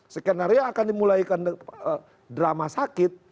skenario akan dimulaikan drama sakit